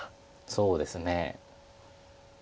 そうですね。